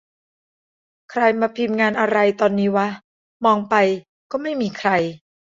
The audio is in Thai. ใครมาพิมพ์งานอะไรตอนนี้วะ มองไป ก็ไม่มีใคร